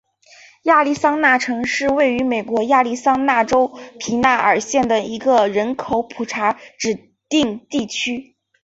亚利桑那城是位于美国亚利桑那州皮纳尔县的一个人口普查指定地区。